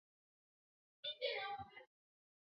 希斯一生都演奏现代爵士四重奏。